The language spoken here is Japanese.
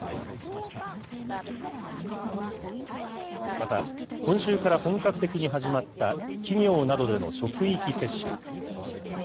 また、今週から本格的に始まった企業などでの職域接種。